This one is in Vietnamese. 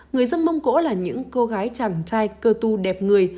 người dân mông cổ là những cô gái chàng trai cơ tu đẹp người